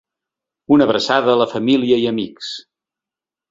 Una abraçada a la família i amics.